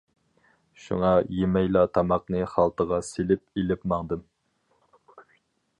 شۇڭا، يېمەيلا تاماقنى خالتىغا سېلىپ ئېلىپ ماڭدىم.